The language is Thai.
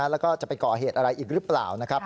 แล้วก็จะไปก่อเหตุอะไรอีกหรือเปล่านะครับ